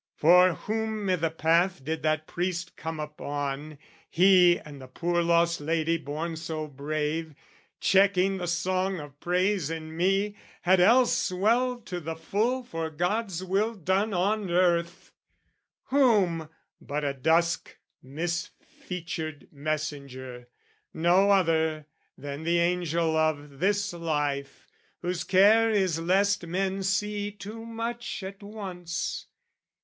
For, whom i' the path did that priest come upon, He and the poor lost lady borne so brave, Checking the song of praise in me, had else Swelled to the full for God's will done on earth Whom but a dusk misfeatured messenger, No other than the angel of this life, Whose care is lest men see too much at once.